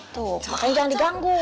tuh makanya jangan diganggu